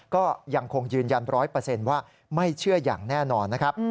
ก็ยังคงยืนยัน๑๐๐ว่าไม่เชื่ออย่างแน่นอนนะครับ